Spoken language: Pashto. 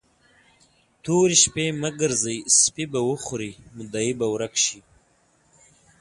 تورې شپې مه ګرځئ؛ سپي به وخوري، مدعي به ورک شي.